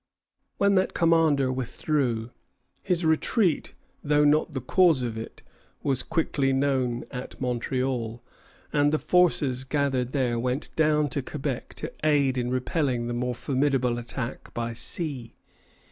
When that commander withdrew, his retreat, though not the cause of it, was quickly known at Montreal, and the forces gathered there went down to Quebec to aid in repelling the more formidable attack by sea.